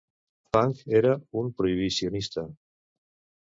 Funk era un prohibicionista.